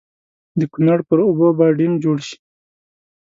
د کنړ پر اوبو به ډېم جوړ شي.